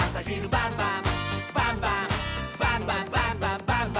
「バンバンバンバンバンバン！」